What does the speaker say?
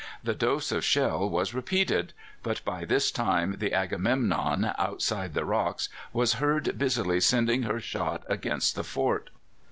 The dose of shell was repeated; but by this time the Agamemnon outside the rocks was heard busily sending her shot against the fort.